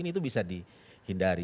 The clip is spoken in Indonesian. ini tuh bisa dihindari